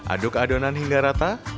aduk adonan hingga rata